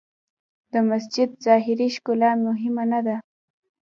د مسجد ظاهري ښکلا مهمه نه ده.